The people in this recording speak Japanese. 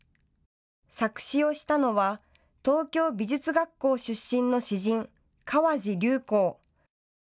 作詞をしたのは東京美術学校出身の詩人、川路柳虹。